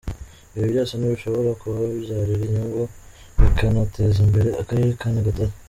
Ibi byose n’ibishobora kubabyarira inyungu bikanateza imbere akarere ka Nyagatare”.